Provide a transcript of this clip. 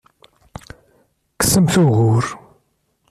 Kksemt ugur!